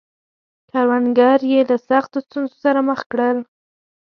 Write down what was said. کروندګر یې له سختو ستونزو سره مخ کړل.